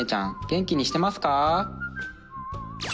元気にしてますか？